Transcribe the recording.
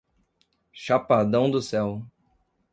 Chapadão do Céu